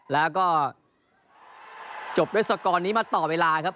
แล้วก็จบด้วยสกอร์นี้มาต่อเวลาครับ